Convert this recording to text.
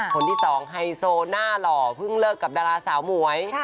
คนที่สองไฮโซหน้าหล่อเพิ่งเลิกกับดาราสาวหมวย